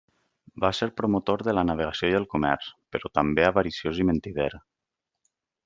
Va ser promotor de la navegació i el comerç, però també avariciós i mentider.